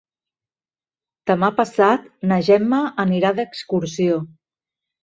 Demà passat na Gemma anirà d'excursió.